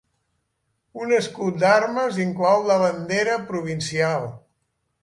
Un escut d'armes inclou la bandera provincial.